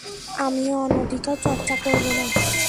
আমি অনধিকার চর্চা করব না!